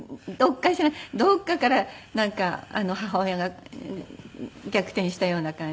どこかからなんか母親が逆転したような感じで。